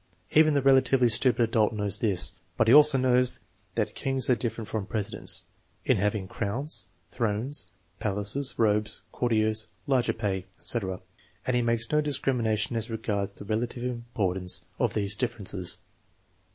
Even the relatively stupid adult knows this; but he also knows that kings are different from presidents in having crowns, thrones, palaces, robes, courtiers, larger pay, etc., and he makes no discrimination as regards the relative importance of these differences.